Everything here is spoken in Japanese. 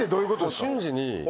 瞬時に。